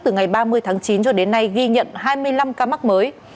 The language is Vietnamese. từ ngày ba mươi tháng chín cho đến nay ghi nhận hai mươi năm ca mắc mới